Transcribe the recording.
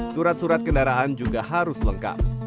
surat surat kendaraan juga harus lengkap